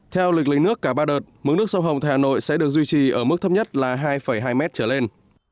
theo lịch lấy nước cả ba đợt mức nước sông hồng tại hà nội sẽ được duy trì ở mức thấp nhất là hai hai mét trở lên